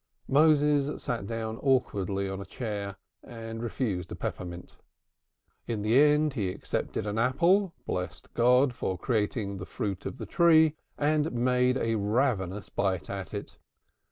Moses sat down awkwardly on a chair and refused a peppermint. In the end he accepted an apple, blessed God for creating the fruit of the tree, and made a ravenous bite at it.